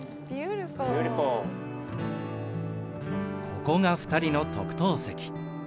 ここが２人の特等席。